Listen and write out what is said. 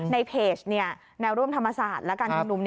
ในเพจแนวร่วมธรรมศาสตร์และการชุมนุม